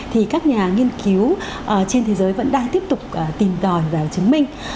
thì các nhà nghiên cứu trên thế giới vẫn đang tiếp tục tìm tòi và chứng minh